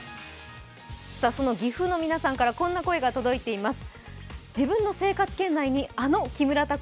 岐阜の皆さんから、こんな声が届いています。